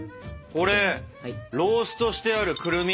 これローストしてあるくるみ！